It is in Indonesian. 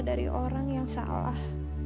dari orang yang salah